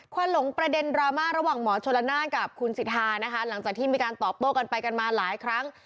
หลงประเด็นดราม่าระหว่างหมอชนละนานกับคุณสิทธานะคะหลังจากที่มีการตอบโต้กันไปกันมาหลายครั้ง